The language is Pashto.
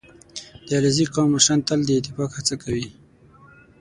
• د علیزي قوم مشران تل د اتفاق هڅه کوي.